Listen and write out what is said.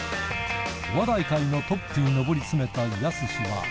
お笑い界のトップに上り詰めたやすしは。